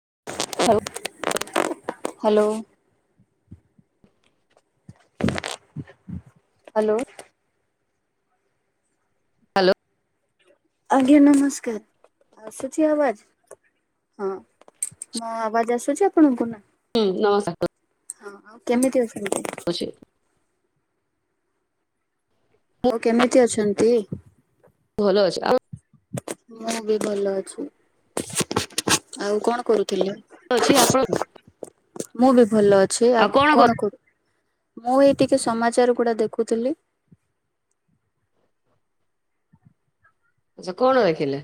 ଆଉ। Hello. Hello. Hello. ଆଜ୍ଞା ନମସ୍କାର ଆସୁଛି ଆବାଜ? ହଁ ମୁଁ ଆବାଜ ଆସୁଛି ଆପଣଙ୍କୁ ନା ହୁଁ ନମସ୍କାର। ହଁ ଆଉ କେମିତି ଅଛନ୍ତି। ଅଛି। ଆଉ କେମିତି ଅଛନ୍ତି? ଭଲ ଅଛି ଆଉ ମୁଁ ବି ଭଲ ଅଛି ଆଉ କଣ କରୁ ଥିଲେ। ଅଛି ଆପଣ ମୁଁ ବି ଭଲ ଅଛି। ଅଛି ଆ କଣ କରୁ ମୁଁ ଏଇ ଟିକେ ସମାଚାର ଗୁଡା ଦେଖୁଥିଲି। ଆଛା କଣ ଦେଖିଲେ?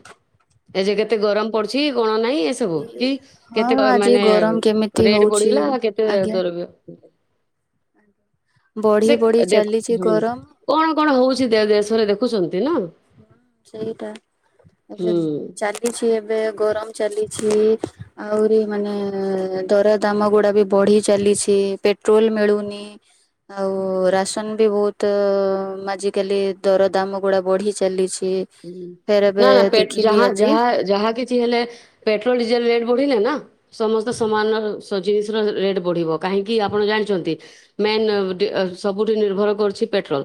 ଏ ଯେ କେତେ ଗରମ ପଡୁଛି। କଣ ନାହିଁ ଏସବୁ କି ହଁ କେତେ ଆଜି ମାନେ ଗରମ କେମିତି ରେଟ ହଉଛି ବଢିଲା କେତେ ଆଜ୍ଞା। ଦ୍ରବ୍ୟ ବଢି ସେ ବଢି ଦେଖ ଚାଲିଛି ହୁଁ ଗରମ କଣ କଣ ହଉଛି ଦେଶରେ ଦେଖ ପୁଜ [inaudible] ହୁଁ ସେଇଟା ଏବେ ଚାଲିଛି ଏବେ ଗରମ ଚାଲିଛି। ଆହୁରି ମାନେ ଦରଦାମ ଗୁଡା ବି ବଢି ଚାଲିଛି। ପେଟ୍ରୋଲ ମିଳୁନି, ଆଉ ରାସନ ବି ବହୁତ ଆଜିକାଲି ଦରଦାମ ଗୁଡା ବଢି ଚି। ଚାଲିଛି। ଫେର ଏବେ ନା ନା ଦେଖିଲି ଯା ଆଜି ଯାହା ଯାହା କିଛି ହେଲେ ପେଟ୍ରୋଲ ଡିଜେଲ ରେଟ୍ ବଢିଲେ ନା ସମସ୍ତ ସମାନର ଜିନିଷ ର ରେଟ୍ ବଢ଼ିବ କାହିଁକି ଆପଣ ଜାନଣିଛନ୍ତିମେନ୍ ସବୁଠି ନିର୍ଭର କରୁଛି ପେଟ୍ରୋଲ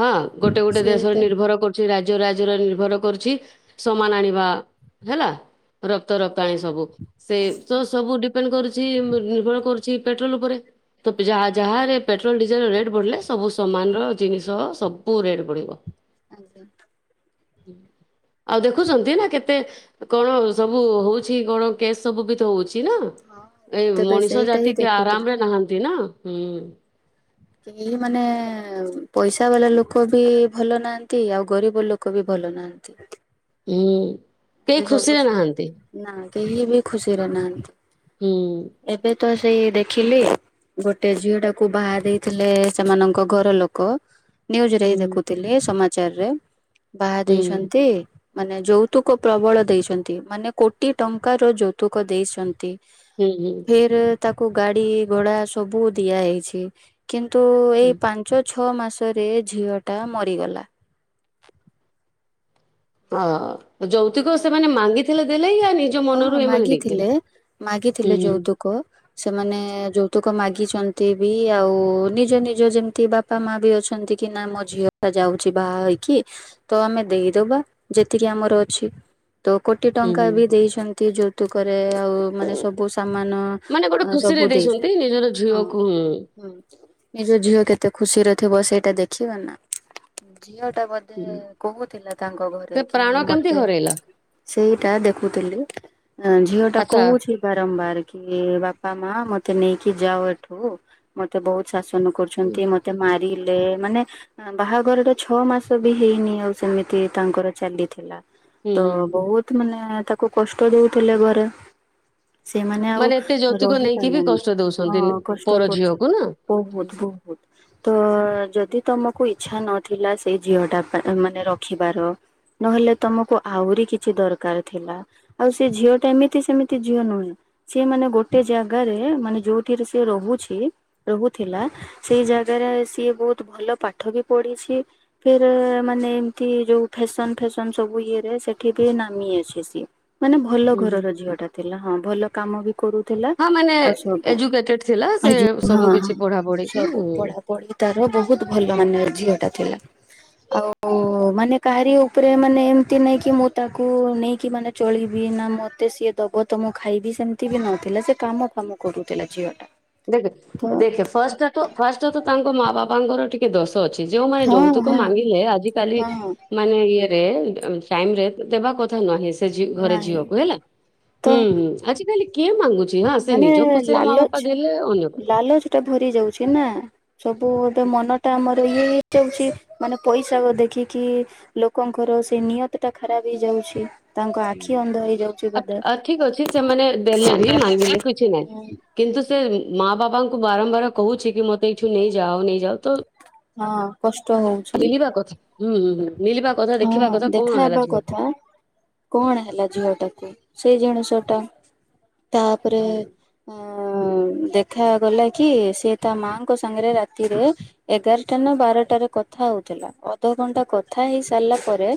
ହଁ ଗୋଟେ ଗୋଟେ ଦେଶରେ ସେଇଟା ନିର୍ଭର କର ରାଜ୍ୟ ରାଜ୍ୟରେ ନିର୍ଭର କରୁଛି ସମାନ ଆଣିବା ହେଲା। ରକ୍ତ ଆଜ୍ଞା ରପ୍ତାଣୀ ସବୁ ସେ ଆଜ୍ଞା ତ ସବୁ କର ନିର୍ଭର କରୁଛି ପେଟ୍ରୋଲ ଉପରେ ଯ ଯାରେ ପେଟ୍ରୋଲ ଡିଜେଲ ରେଟ୍ ବଢିଲେ ସବୁ ସମାନ ର ଜିନିଷ ସବୁ ରେଟ୍ ବଢିବ। ଆଜ୍ଞା। ଆଉ ଦେଖୁଛନ୍ତି ନା କେତେ କଣ ସବୁ ହଉଛି କଣ କେସ୍ ସବୁ ବି ହଉଛି? ଅଛି ନା ହଁ ଏ ବହୁତ ଏବେ ମଣିଷ ସେଇଟା ହିଁ ଜାତି କିଏ ଆରାମ ଦେଖୁଥିଲି ରେ ନାହାନ୍ତି ନା? ହୁଁ ଉ କେହି ମାନେ ଏ ପଇସା ବାଲା ଲୋକ ବି ଭଲ ନାହାନ୍ତି ଆଉ ଗରିବ ଲୋକ ବି ଭଲ ନାହାନ୍ତି। ଉଁ କେହି ଏବେ ସବୁ ଖୁସିରେ ନାହାନ୍ତି ସେମିତି ନା କେହି ବି ଖୁସିରେ ନାହାଁନ୍ତି। ହୁଁ ତ ସେଇ ଦେଖିଲି ଗୋଟେ ଝିଅ ଟାକୁ ବାହା ଦେଇଥିଲେ ସେମାନଙ୍କ ଘର ଲୋକ ନ୍ୟୁଜ ରେ ହୁଁ ଦେଖୁଥିଲି ସମା ପାଚାରରେ ବାହା ହୁଁ ଦେଇଛନ୍ତି ମାନେ ଯୋଉ ତୁ କ ପ୍ରବଳ ଦେଇଛନ୍ତି ମାନେ କୋଟିଏ ଟଙ୍କାର ଯୌତୁକ ଦେଇଛନ୍ତି। ହୁଁ ହୁଁ। ଫିର୍ ତାକୁ ଗାଡି ଘୋଡ଼ା ସବୁ ଦିଆ ହୋଇଛି, କିନ୍ତୁ ତୁ ଏଇ ପାଞ୍ଚ ଛ ଛଅ ମାସରେ ଝିଅଟା ମରିଗଲା। ହଁ ଅ ଯୌତୁକ ସେମାନେ ମାଗିଥିଲେ ଦେଲେ ୟା ନିଜ ହଁ ମନରୁ ଏମାନେ ଦେଇଥିଲେ? ମାଗିଥିଲେ ହୁଁ ମାଗିଥିଲେ ହୁଁ ଯୌତୁକ ସେମାନେ ଯୌତୁକ ତୁକ ମାଗିଛନ୍ତି ବି ଆଉ ନିଜ ନିଜ ଯେମିତି ବାପା ମା ବି ଅଛନ୍ତି କି ନା ମୋ ଝିଅ ଟା ଯାଉଛି ବାହା ହେଇକି ତ ଆମେ ଦେଇଦବା ଯେତିକି ଆମର ଅଛି ତ କୋଟି ହୁଁ ଟଙ୍କା ହୁଁ। ବି ଦେଇଛନ୍ତି ଯୋଉ ତୁକରେ ଆଉ ମାନେ ସବୁ ସମାନ ମାନେ ଗୋଟେ ଖୁସିରେ ସବୁ ଦେଇଛନ୍ତି, ନିଜର ହଁ ଝିଅକୁ ହୁଁ ହଁ ନିଜ ଝିଅ କେତେ ଖୁସିରେ ଥିବ ସେଇଟା ଦେଖିବ ନା ଝିଅ ଟା ବୋଧେ ହୁଁ। କହୁଥିଲା ତାଙ୍କ ଘରେ ସେ କି ପ୍ରାଣ ମତେ କେମିତି ତ ହରେଇଲା ସେଇଟା ଦେଖୁଥିଲି ଝିଅ ଟା ଆଚ୍ଛା। କହୁଛି ବାରମ୍ବାର କି ବାପା ମା ମତେ ମତେ ନେଇକି ଯାଉ ଏଠୁ ମତେ ବହୁତ ଶାସନ ହୁଁ କରୁଛନ୍ତି ମତେ ମାରି ହେଲେ ଏମାନେ ବାହାଘର ଟା ଛଅ ମାସ ବି ହେଇନି ଆଉ ସେମିତି ତାଙ୍କର ଚାଲିଥିଲା ତ ହୁଁ। ହୁଁ। ବହୁତ ମାନେ ତାକୁ କଷ୍ଟ ଦେଉଥିଲେ ଘରେ ସେମାନେ ଆଉ ମାନେ ଏତେ ଯୌତୁକ ରହି ନେଇକି ବି ପାରିଲାନି କଷ୍ଟ ହଁ ଦଉଛନ୍ତି କଷ୍ଟ ପର କରୁଛନ୍ତି ଝିଅକୁ ନା। ହୁଁ ବହୁତ ବହୁତ ତ ଯଦି ତମକୁ ଇଛା ନଥିଲା ସେଇ ଝିଅ ଟା ମାନେ ରଖିବାର ନହେଲେ ତମକୁ ଆହୁରି କିଛି ଦରକାର ଥିଲା, ଆଉ ସେ ଝିଅଟା ଏମିତି ସେମିତି ଝିଅ ନୁହେଁ ସି ମାନେ ଗୋଟେ ଜାଗାରେ ମାନେ ଯୋଉଠିରେ ସି ରହୁଛି ରହୁଥିଲା ସେଇ ଜାଗାରେ ସିଏ ବହୁତ ଭଲ ପାଠ ବି ପଢିଛି ଫିର ଏମାନେ ଏମିତି ଯୋଉ ଫେସନ ଫେସ ସବୁ ଇଏ ରେ ସେଠି ବି ନାମି ଅଛି ସିଏ ମାନେ ଭଲ ହୁଁ। ଘରର ଝିଅ ଟା ଥି ହେଲା ହଁ, ଭଲ କାମ ବି। କରୁଥିଲା ହଁ ମାନେ ଆଉ ସବୁ, ଏଜୁକେଟେଡ ଥିଲା ସେ ଆଉ ଯୋଉ ହଁ ସବୁ ହଁ, କିଛି ପଢା ପଢିକି ସବୁ ପଢା ପଢି ତାର ବୋହୁତ ଭଲ। ମାନେ ଝିଅଟା ଥିଲା, ଆଉ ଉ, ମାନେ କାହାରି ଉ ତାପରେ ମାନେ, ଏମିତି ନେଇଁକି ମୁଁ ତାକୁ ନେଇକି ମାନେ ଚଳିବି, ନା ମତେ ସିଏ ଦବ ତ ମୁଁ ଖାଇବି, ସେମିତି ବି ନଥିଲା, ସେ କାମ ଫାମ କରୁଥିଲା ଝିଅ ଟା। ଦେଖେ ତ ଦେଖେ, ଫାଷ୍ଟ ଟା ତ ଫାଷ୍ଟା ଟା ତ, ତାଙ୍କ ମାଆ ବାପାଙ୍କର ଟିକ କେ ଦଶ ଅଛି ଯେଉଁମାନେ ହଁ ଯୌତୁକ ହଁ ମାଙ୍ଗିଲେ, ଆଜି କାଲି ହଁ ମାନେ ଇଏରେ ଆ ଟାଇମ ରେ ତ ଦେବା କଥା ନାହିଁ। ସେ ଘରେ ନାହିଁ ଝିକୁ ହେଲା, ତ ହୁଁ ହୁଁ, ଆଜି କାଲି କିଏ ମାଙ୍ଗୁଛି? ନା ସେ ନିଜ ଖୁସିରେ ମା ବାପା ଦେଲେ ଅନ୍ୟ କଥା। ଲାଲଜଟା ଭରି ଯାଉଛି ନା। ସବୁ ଗୋଟେ ମନଟା ଆମର। ଇଏ ହେଇଯାଉଚି, ମାନେ ପଇସା ଦେଖିକି ଲୋକଙ୍କର ସେଇ ନିୟତ ଟା ଖରାପ୍ ହେଇଯାଉଛି। ତାଙ୍କ [inaudible] ହୁଁ, ଆଖି ଅନ୍ଧ ହେଇଯାଉଛି ଆ ବୋଧେ। ଆ ଠିକ ଅଛି, ସେମାନେ ଦେଲେ ଭି। ଗୁଲେ କିଛି ନାଇଁ କିନ୍ତୁ ସେ ମା ବାବାଙ୍କୁ ବାରମ୍ ବାର କହୁଛି। କି, ମତେ ଏଇଠୁ ନେଇଯାଅ-ନେଇଯାଅ ତ ହଁ କଷ୍ଟ [inaudible] ହଉଛି। ପେଲିବା କଥା, ହୁଁ ହୁଁ ହୁଁ। ମିଳିବା କଥା ହଁ ଦେଖିବା କଥା, ଦେଖା କଣ ହେଲା ହେବା କଥା ଝିଅକୁ କଣ ହେଲା ଝିଅ ଟାକୁ, ସେଇ ଜିନିଷ ଟା। ତାଆ ପରେ ହୁଁ ଆଁ ଆଁ ଦେଖାଗଲା କି, ସିଏ ତା ମାଆଙ୍କ ସାଙ୍ଗରେ ରାତିରେ, ଏଗାରଟା ନା ବାରଟାରେ କଥା ହଉଥିଲା, ଅଧଘଣ୍ଟା କଥା ହେଇ ସା ସାରିଲା ପରେ,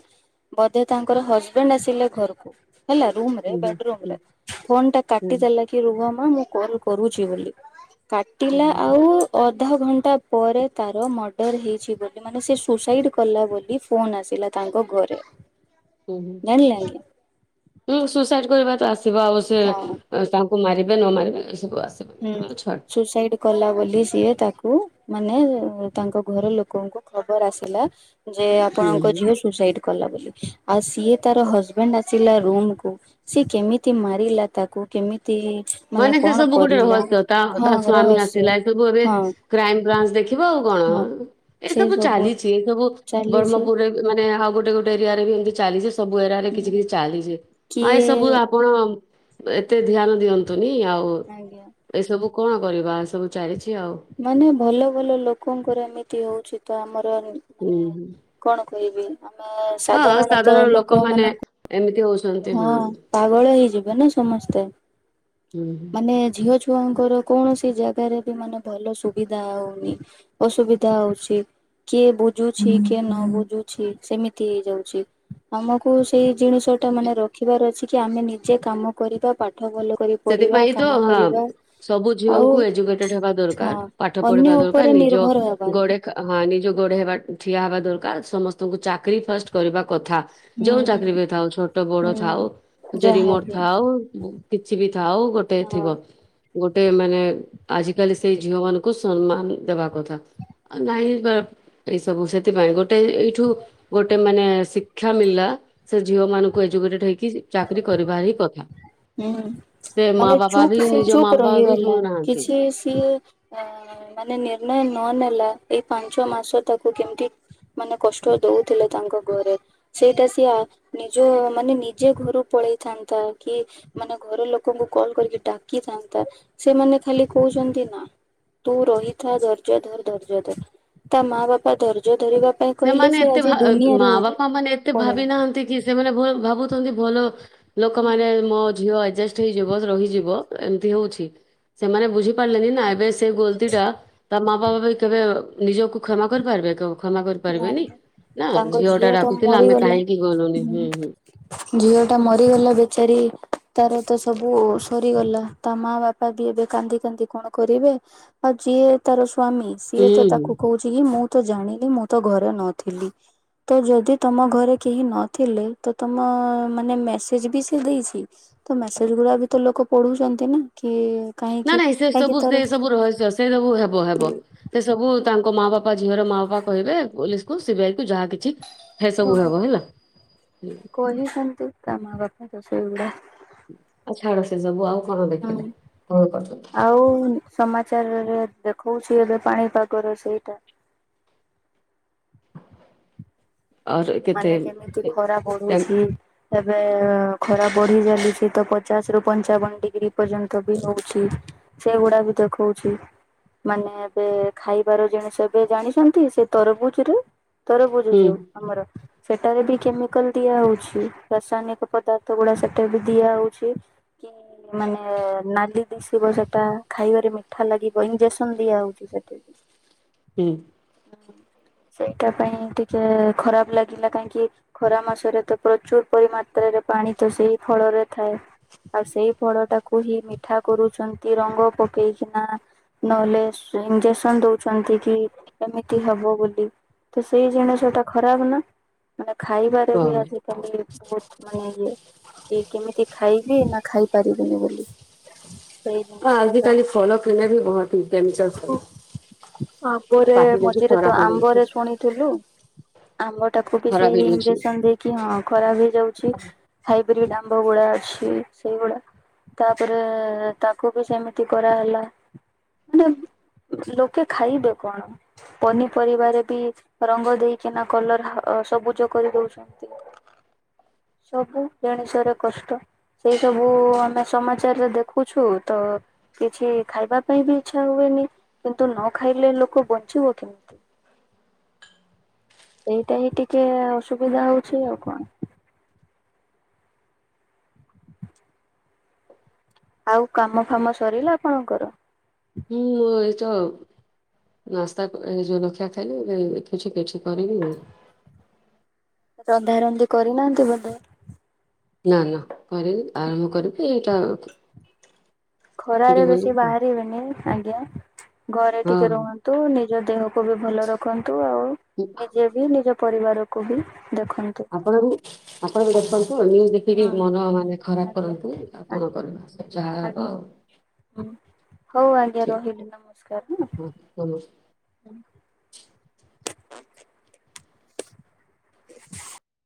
ବୋଧେ ତାଙ୍କର ହଜବେଣ୍ଡ ଆସିଲେ ଘରକୁ। ହେଲା ରୁମରେ, ହୁଁ ହୁଁ ବେଡରୁମରେ, ଫୋନ୍ ଟା ହୁଁ କାଟି ଦେଲା କି ରୁହ ହଁ ମୁଁ କଲ କରୁଚି ବୋଲି। ହୁଁ କାଟିଲା ହୁଁ। ଆଉ ଅ ଅଧ ଘଣ୍ଟା ପରେ ତାର ମର୍ଡ଼ର ହେଇଚି ବୋଲି, ମାନେ ସେ ସୁସାଇଡ କଲା ବୋଲି ତା ଫୋନ୍ ଆସିଲା ତାଙ୍କ ଘରେ। ହୁଁ ହୁଁ, ଜାଣିଲେ ଆଜ୍ଞା ହୁଁ ସୁସାଇଡ କରିବା ଆବ ସେ, ହଁ ତାଙ୍କ କୁ ମାରିବେ ନ ମାରିବେ ଏସବୁ ଆସିବନି ହୁଁ ଉଁ, ହଁ ଛାଡ ସୁସାଇଡ କଲା ବୋଲି ସିଏ ତାକୁ। ମାନେ ଏ, ତାଙ୍କ ଘର ଲୋକଙ୍କୁ ଖବର ଆସିଲା। ଯେ ହୁଁ ଆପଣଙ୍କ ହୁଁ ଝିଅ ସୁସାଇଡ କଲା ବୋଲି। ଆଉ ସିଏ ତାର ହଜବେଣ୍ଡ ଆସିଲା ରୁମକୁୁ ସି କେମିତି ମାରିଲା ତାକୁ କେମିତି ତି ମାନେ ସେ କଣ ସବୁ ଗୋଟେ କରିଲା ରହସ୍ୟ ତା ହଁ ତା ସ୍ଵାମୀ ରହସ୍ୟ ଆସିଲା ଏ ସବୁ ଏବେ ହଁ କ୍ରାଇମ ବ୍ରାଞ୍ଚ ଦେଖିବ ଆଉ କଣ ହଁ। ଏ ସବୁ ଚାଲିଛି ଏ ସବୁ ଚାଲିଛି ବ୍ରହ୍ମପୁରରେ ମାନେ ଆଉ ଗୋଟେ ଗୋଟେ ଏରିଆରେ ଏମତି ଚାଲିଛି ସବୁ ଏରିଆରେ କିଛି କିଛି ଚାଲିଛି ହଁ ଏ କିଏ ସବୁ ଆପଣ ଏତେ ଧ୍ୟାନ ଦିଅନ୍ତୁ। ନି ଆଉ ଆଜ୍ଞା। ଏସବୁ କଣ କରିବା ସବୁ ଚାରି ମାନେ ଭଲ ଭଲ ଲୋକଙ୍କର ଏମିତି ହଉଚି ତ ଆମ ମାନେ ହୁଁ ହୁଁ କଣ କରିବି ହଁ ସାଧାରଣ ଲୋକମାନେ ଏମିତି ହଉଚି ହଁ ପାଗଳ ହେଇଯିବ ନା ସମସ୍ତେ ହୁଁ ହୁଁ ମାନେ ଝିଅ ଛୁଆଙ୍କର କୌଣସି ଜାଗାରେ ବି ମାନେ ଭଲ ସୁବିଧା ହଉନି ଅସୁବିଧା ହଉଛି କିଏ ବୁଝୁଛି କିଏ ନ ବୁଝୁଛି ସେମିତି ହେଇଯାଉଛି ଆମକୁ ସେଇ ଜିନିଷଟା ମାନେ ରଖିବାର ଅଛି କି ଆମେ ନିଜେ କାମ କରିବା ପାଠ ଭଲ କରିବା ପଢିବା ସେଥିପାଇଁ ତ କାମ ହ ସବୁ ଆଉ ଝିଅଙ୍କୁ ଏଜୁକେଟେଡ ହେବା ହଁ ଦରକାର, ପାଠ ଅନ୍ୟ ପଢିବା ଦରକାର ଉପରେ ନିଜ ନିର୍ଭର ହବାନି। ଗୋଡ ହ ନିଜ ଗୋଡେ ହେବା ଠିଆ ହବା ଦରକାର ସମସ୍ତଙ୍କୁ ଚାକିରି ଫାଷ୍ଟ କରିବା କଥା ହୁଁ ଯୋଉ ହୁଁ ଚାକିରୀ ବି ଥାଉ ଛୋଟ ବଡ଼ ହୁଁ ଥାଉ ଯେ ରିମୋଟ ଯାହାବି ଥାଉ ଗୋଟେ ହଁ। ଥିବ ଗୋଟେ ମାନେ ଆଜିକାଲି ସେଇ ଝିଅ ସମ୍ମାନ ଦେବା କଥା ଆ ନାଇଁ ଏଇ ସବୁ ସେଥିପାଇଁ ଗୋଟେ ଏଇଠୁ ଗୋଟେ ମାନେ ଶିକ୍ଷା ମଳିଲା ସେ ଝିଅ ମାନଙ୍କୁ ଏଯୁକେଟେଡ଼ ହେଇକି କି ଚାକିରୀ କରିବାର ହିଁ କଥା ହୁଁ ସେ ମା ମାନେ ବାପା ଚୁପ୍ ବି ସେ ନିଜ ଚୁପ ମା ବାପା ବି ରହିଗଲା ଶୁଣୁନାହାନ୍ତି। କିଛି ସିଏ ଅ ମାନେ ନିର୍ଣ୍ଣୟ ନ ନେଲା ଏଇ ପାଞ୍ଚ ମାସ ତାକୁ କେମିତି ମାନେ କଷ୍ଟ ଦଉଥିଲେ ତାଙ୍କ ଘରେ ସେଇଟା ସି ନିଜ ମାନେ ନି ଯିଏ ଘରୁ ପଳେଇଥାନ୍ତା କି ମାନେ ଘର ଲୋକଙ୍କୁ କଲ କରିକି ଡାକିଥାନ୍ତା ସେମାନେ ଖାଲି କହୁଛନ୍ତି ନା ତୁ ରହିଥା ଧର୍ଯ୍ୟ ଧର ଧର୍ଯ୍ୟ ଧର ତା ମା ବାପା ଧର୍ଯ୍ୟ ସେମାନେ ଏତେ ଭା ମା ବାପା ମାନେ ଏତେ ପଳେଇଲା ଭାବିନାହାନ୍ତି କି ସେମାନେ ଭୁଲ ଭାବୁ ଆଛନ୍ତି ଭଲ ଲୋକମାନେ ମୋ ଝିଅ ଆଜଷ୍ଟ ହେଇଯିବ ରହିଯିବ ଏମିତି ହଉଛି ସେମାନେ ବୁଝିପାରିଲେନି ନା ସେ ଗୋଲତିଟା ତା ମା ବାପା ବି କେବେ ନିଜକୁ କ୍ଷମା କରିପାରିବେ। କେବେ କ୍ଷମା ନା କରିପାରିବେନି। ନା [inaudible] ତାଙ୍କ ଟା ଝିଅ ତ ଡାକୁଥିଲା ଆମେ ମରିଗଲା କାହିଁକି ଗଲୁନି ହୁଁ ହୁଁ ଝିଅ ଟା ମରିଗଲା ବେଚାରୀ। ତାର ତ ସବୁ ସ ମରିଗଲା ତା ମା ବାପା ବି ଏବେ କାନ୍ଦି କାନ୍ଦି କଣ କରିବେ। ଆଉ ଯିଏ ତାର ସ୍ଵାମୀ ସିଏ ହୁଁ ତ ହୁଁ। ତାକୁ କହୁଛି କି ମୁଁ ତ ଜାଣିଲି ମୁଁ ତ ଘରେ ନଥିଲି ତ ଯଦି ତମ ଘରେ କେହିନଥିଲେ। ତ ତମ ମାନେ ମେସେଜ ବି ସେ ଦେଇଛି। ତ ମେସେଜ ଗୁଡା ବି ତ ଲୋକ ପଢୁଛନ୍ତି। ନା କି ନା କାହିଁକି ନାଇଁ ସେ କାହିଁକି ସବୁ ତାର ସେ ସବୁ ରହସ୍ୟ ସେ ସବୁ ହେବ ହେବ। ସେ ସବୁ ତାଙ୍କ ମା ବାପା ବାପା ଝିଅ ର ମା ବାପା କହିବେ ପୋଲିସକୁ ସି ବି ଆଇ କି ଯାହା କିଛି ସେ ସବୁ ହେବ ହେଲା ହ [unintelligible] ତ ସେଇଗୁଡ଼ା [inaudible] ଆ ଛାଡ ସେ ସବୁ ଆଉ କଣ ହୁଁ ଦେଖିଲେ କଣ କରୁଛନ୍ତି [inaudible] ଆଉ ସମାଚାର ଏ ଦେଖଉଛି ଏବେ ପାଣିପାଗର ସେଇଟା। [inaudible] ଆଉ କେତେ ମାନେ କେମିତି ଏ- ଖରା ପଢୁଛି। ଏବେ ଖରା ବଢି ଚାଲିଛି। ତ ପଚାଶ ରୁ ପଞ୍ଚାବନ ଡିଗ୍ରୀ ପର୍ଯ୍ୟନ୍ତ ବି ହଉଛି। ସେଗୁଡା ବି ଦେଖଉଛି ମାନେ ଏବେ ଖାଇବାର ଜିଣିଷ ଏବେ ଜାଣିଛନ୍ତି। ସେ ତରଭୁଜ ରେ ତରଭୁଜ ହୁଁ ଯଉ ଆମର ସେଟାରେ ବି କେମିକାଲ ଦିଆ ହଉଛି। ରାସାୟନିକ ପଦାର୍ଥ ଗୁଡା ସେଠାରେ ବି ଦିଆ ହଉଛି। କି ମାନେ ନାଲି ଦିଶିବ ସେଟା ଖାଇବାରେ ମିଠା ଲାଗିବ। ଇଞ୍ଜେକ୍ସନ ଦିଆ ହଉଛି ସେଠି ହୁଁ। [inaudible] ସେଇଟା ପାଇଁ ଟିକେ ଖରାପ ଲାଗେ। କାହିଁକି ଖରା ମାସରେ ତ ପ୍ରଚୁର ପରି ମାତ୍ରାରେ ପାଣି ତ ସେଇ ଫଳରେ ଥାଏ ଆଉ ସେଇ ଫଳ ଟାକୁ ହିଁ ମିଠା କରୁଛନ୍ତି। ରଙ୍ଗ ପକେଇକିନା ନହେଲେ ସ ଇଞ୍ଜେକ୍ସନ ଦଉଛନ୍ତି। କି ଏମିତି ହବ ବୋଲି ତ ସେଇ ଜିନିଷ ଟା ଖରାପ ନା। ହଁ। ଖାଇବାରେ ବି ହଁ ଆଜିକାଲି ବହୁତ ମାନେ ଇଏ କି କେମିତି ଖାଇବି ନା ଖାଇ ପାରିବିନି ବୋଲି। [inaudible] ସେଇ ଜିନିଷ ଟା ଆଜିକାଲି ଫଳ କିଣିଲେ ବି ବହୁତ କେମିକାଲ ହଁ ଆମ୍ବରେ ପାଟି ଯଦି ମଝିରେ ତ ଖରାପ ହେଇଯାଉଛି ଆମ୍ବରେ ଶୁଣିଥିଲୁ ଆମ୍ବ ଟାକୁ ବି ଖରାପ ସେଇ ହେଇଯାଉଛି ଇଞ୍ଜେକସନ୍ ଦେଇକି ହଁ ଖରାପ ହେଇଯାଉଛି। ହାଇବ୍ରିଡ ଆମ୍ବ ଗୁଡା ଅଛି ସେଇଗୁଡା ତାପରେ ତାକୁ ବି ସେମିତି କରାହେଲା। [inaudible] ମାନେ ଲୋକେ ଖାଇବେ କଣ ପନିପରିବାରେ ବି ରଙ୍ଗ ଦେଇକିନା କଲର ଅ ସବୁଜ କରିଦଉଛନ୍ତି ସବୁ ଜଣିଷରେ କଷ୍ଟ ସେଇ ସବୁ ଆମେ ସମାଚାରରେ ଦେଖୁଛୁ ତ କିଛି ଖାଇବା ପାଇଁ ବି ଇଚ୍ଛା ହୁଏନି କିନ୍ତୁ ନ ଖାଇଲେ ଲୋକ ବଞ୍ଚିବ କେମିତି ସେ ଏଇ ଟିକେ ଅସୁବିଧା ହଉଛି ଆଉ କଣ। ଆଉ କାମ ଫାମ ସରିଲା ଆପଣଙ୍କର? ହୁଁଁ ଏଇତ [inaudible] ନାସ୍ତା ଏଇ ଜଳଖିଆ ଖାଇଲି ଏବେ କିଛି କିଛି କରିବି। [inaudible] ରନ୍ଧା ରନ୍ଧି କରିନାହାନ୍ତି ବୋଧେ। ନା ନା କରିନି ଆରମ୍ଭ କରିବି ଏଇଟାର [inaudible] ଖରା ରେ ବେଶି ବାହାରିବେନି। ଆଜ୍ଞା। ଘରେ ଟିକେ ହଁ ରୁହନ୍ତୁ ନିଜ ଦେହକୁ ତାକୁ ବି ଭଲ ରଖନ୍ତି ତୁ ଆଉ ନିଜେ ବି ନିଜ ପରିବାରକୁ ବି ଦେଖନ୍ତୁ। ଆପଣ ବି ଆପଣଙ୍କୁ ଦେଖନ୍ତୁ ହଁ [unintelligible] ଦେଖିକି ହଁ। ମନ ମାନେ ଖରାପ ଆଜ୍ଞା କରନ୍ତି ଆଉ କଣ ଆଜ୍ଞା କରିବା ଯାହା ହବ ଆଜ୍ଞା ଆଉ ହଉ ଆଜ୍ଞା ଠିକ୍ ରହିଲି ନମସ୍କାର ହଁ। ନମସ୍କାର [inaudible]